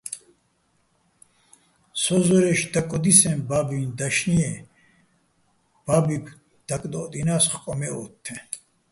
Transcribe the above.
სოჼ ზორე́ჲში̆ დაკოდისეჼ ბა́ბუჲჼ დაშნი-ჲე́ ბაბუჲგო̆ დაკდო́ჸდინას ხკო მე ოთთეჼ.